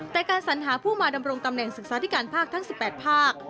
แต่การสัญหาผู้มาดำรงตำแหน่งศึกษาธิการภาคทั้ง๑๘ภาค